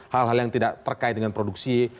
hal hal yang tidak terkait dengan produksi